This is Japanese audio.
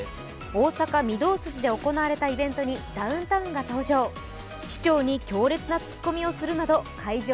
大阪・御堂筋で行われたイベントにダウンタウンが登場。